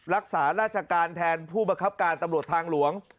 รักษาราชการแทนผู้บังคับการตำรวจทางหลวง